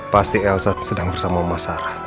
pasti elsa sedang bersama mama sara